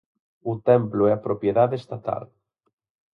O templo é propiedade estatal.